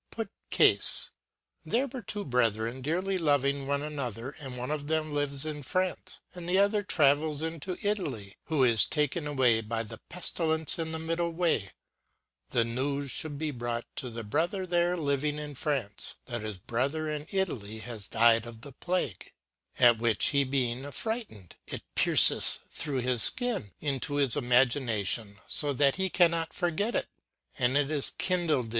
Put cafe there were two brethren dearly loving one another, and one of them lives .^j in Fr^;?r^ and the other travels into Italy^v^ho is taken away by the Peftilence in the middle way, andnewesfhould be brought to the bro ther living in Trance^ chat his brother in Italy was dead of the Plague ; at which he being af frightedj itpierceth through his Skin , into his Imagination/┬® that he cannot forget it % and it is kindled Occult Thilofophy.